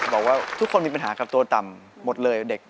บอกว่าทุกคนมีปัญหากับตัวต่ำหมดเลยเด็ก